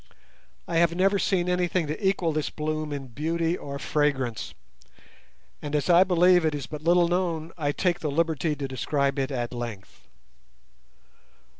I have never seen anything to equal this bloom in beauty or fragrance, and as I believe it is but little known, I take the liberty to describe it at length.